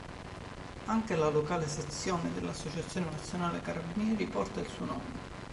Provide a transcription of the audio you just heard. Anche la locale sezione dell'Associazione nazionale carabinieri porta il suo nome.